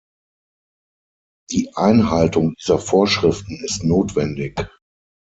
Die Einhaltung dieser Vorschriften ist notwendig.